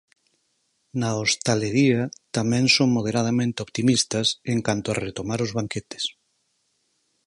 Na hostalería tamén son moderadamente optimistas en canto a retomar os banquetes.